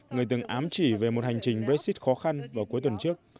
người từng ám chỉ về một hành trình brexit khó khăn vào cuối tuần trước